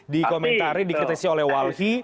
dikomentari dikritisi oleh walhi